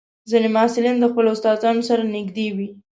ځینې محصلین د خپلو استادانو سره نږدې وي.